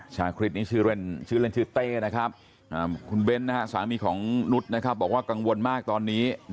ชาคริสนี้ชื่อเล่นชื่อเต้นะครับคุณเบ้นสามีของนุษย์บอกว่ากังวลมากตอนนี้